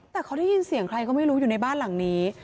แต่เขาได้ยินเสียงใครก็ไม่รู้อยู่ในบ้านหลังนี้